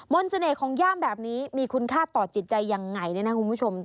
เสน่ห์ของย่ามแบบนี้มีคุณค่าต่อจิตใจยังไงเนี่ยนะคุณผู้ชม